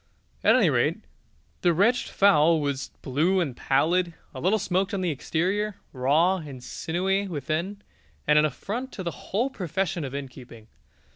At any rate, the wretched fowl was blue and pallid, a little smoked on the exterior, raw and sinewy within, and an affront to the whole profession of innkeeping.